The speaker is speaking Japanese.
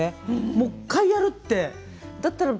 もう１回塗るって。